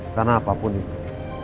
karena apapun itu